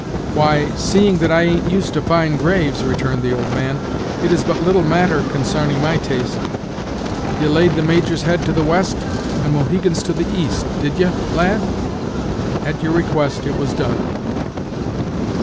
"Why, seeing that I ain't used to fine graves," returned the old man, "it is but little matter consarning my taste. Ye laid the Major's head to the west, and Mohegan's to the east, did ye, lad?" "At your request it was done."